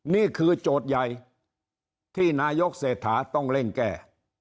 นี่คือโจทย์ใหญ่ที่นายกเศรษฐาต้องเล่นแก้